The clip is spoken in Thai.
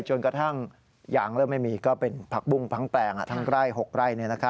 จนกระทั่งยางเริ่มไม่มีก็เป็นผักบุ้งทั้งแปลงทั้งไร่๖ไร่